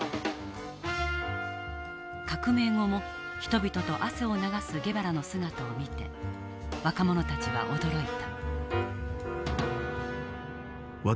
革命後も人々と汗を流すゲバラの姿を見て若者たちは驚いた。